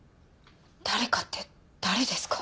誰かって誰ですか？